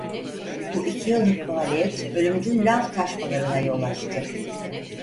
Bu iki yıllık faaliyet ölümcül lav taşmalarına yol açtı.